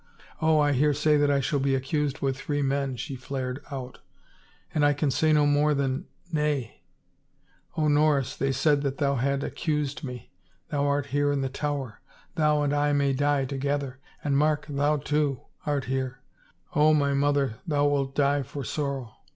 " Oh, I hear say that I shall be accused with three men," she flared out, " and I can say no more than — nay ! Oh, Norris, they said that thou hadst accused me ! Thou art here in the Tower — thou and I may die to gether ... and Mark, thou, too, art here ... Oh, my mother, thou wilt die for sorrow